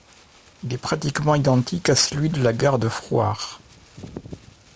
Il est pratiquement identique à celui de la gare de Frouard.